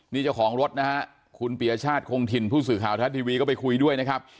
นี่เจ้าของรถนะฮะคุณปียชาติคงถิ่นผู้สื่อข่าวทัศน์ทีวีก็ไปคุยด้วยนะครับ